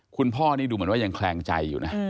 คุณพ่อนี่ดูเหมือนว่ายังแคลงใจอยู่นะ